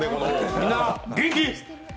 みんな元気？